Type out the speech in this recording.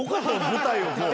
舞台をこう。